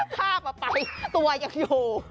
ภาพเอาไปตัวยังอยู่